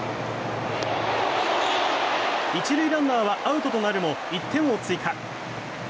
１塁ランナーはアウトとなるも１点を追加。